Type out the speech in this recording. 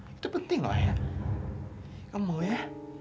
itu penting ayah kamu ya